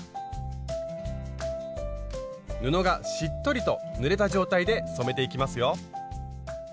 布がしっとりとぬれた状態で染めていきますよ。